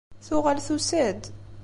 Tuɣal tusa-d.